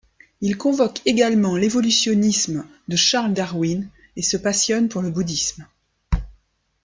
Il convoque également l'évolutionnisme de Charles Darwin et se passionne pour le bouddhisme.